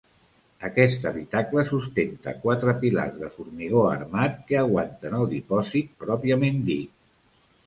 Aquest habitacle sustenta quatre pilars de formigó armat que aguanten el dipòsit pròpiament dit.